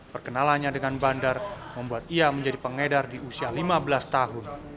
perkenalannya dengan bandar membuat ia menjadi pengedar di usia lima belas tahun